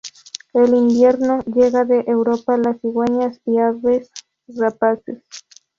En invierno llegan de Europa las cigüeñas y aves rapaces.